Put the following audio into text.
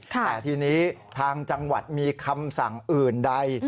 แต่ทีนี้ทางจังหวัดมีคำสั่งอื่นใด